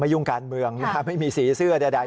ยุ่งการเมืองไม่มีสีเสื้อใด